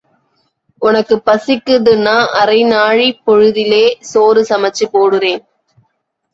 உனக்கு பசிக்குதுன்னா அரை நாழிப் பொழுதிலே சோறு சமைச்சுப் போடுறேன்.